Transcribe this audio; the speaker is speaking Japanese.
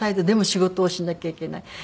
でも仕事をしなきゃいけない。